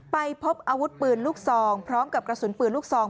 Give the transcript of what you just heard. ไปพบอาวุธปืนลูกซองพร้อมกับกระสุนปืนลูกซอง